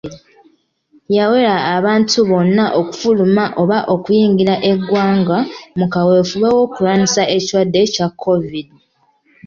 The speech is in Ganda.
Yawera abantu bonna okufuluma oba okuyingira eggwanga mu kaweefube w'okulwanyisa ekirwadde kya COVID.